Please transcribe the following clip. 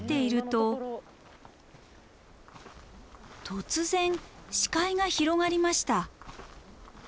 突然視界が広がりました。